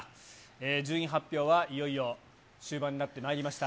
順位発表はいよいよ終盤になってまいりました。